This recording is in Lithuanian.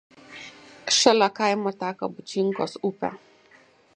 Šalia kaimo teka Bučinkos upės.